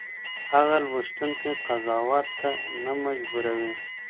هغه لوستونکی قضاوت ته نه مجبوروي.